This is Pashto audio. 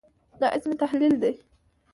دا سم تحلیل دی.